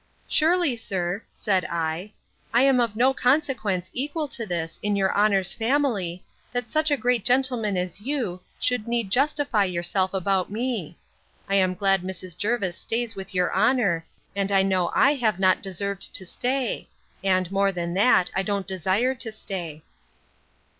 Surely, sir, said I, I am of no consequence equal to this, in your honour's family, that such a great gentleman as you, should need to justify yourself about me. I am glad Mrs. Jervis stays with your honour; and I know I have not deserved to stay: and, more than that, I don't desire to stay.